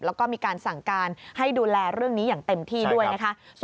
แล้วก็มีการสั่งการให้ดูแลเรื่องนี้อย่างเต็มที่ด้วยนะคะ